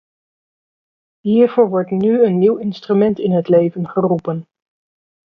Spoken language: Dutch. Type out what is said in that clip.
Hiervoor wordt nu een nieuw instrument in het leven geroepen.